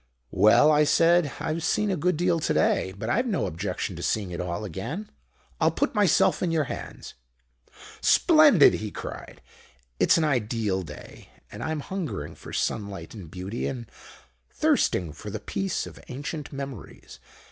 "'Well,' I said, 'I've seen a good deal already. But I've no objection to seeing it all again. I'll put myself in your hands.' "'Splendid!' he cried. 'It's an ideal day, and I'm hungering for sunlight and beauty, and thirsting for the peace of ancient memories.